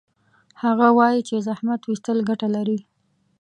هغه وایي چې زحمت ویستل ګټه لري